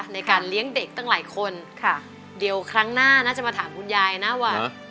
ในการเลี้ยงเด็กตั้งหลายคนค่ะเดี๋ยวครั้งหน้าน่าจะมาถามคุณยายนะว่า